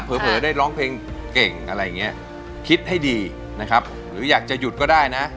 เผลอได้ร้องเพลงเก่งอะไรอย่างเงี้ยคิดให้ดีนะครับหรืออยากจะหยุดก็ได้นะ